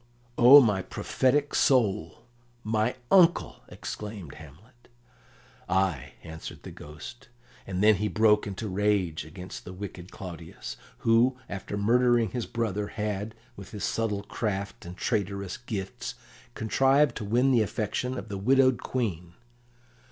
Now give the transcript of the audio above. "O my prophetic soul! My uncle!" exclaimed Hamlet. "Ay!" answered the Ghost; and then he broke into rage against the wicked Claudius, who, after murdering his brother, had, with his subtle craft and traitorous gifts, contrived to win the affections of the widowed Queen.